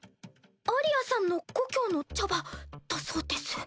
アリヤさんの故郷の茶葉だそうです。